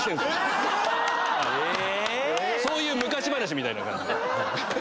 そういう昔話みたいな。